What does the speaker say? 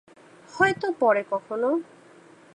হয়তো পরে কখনো।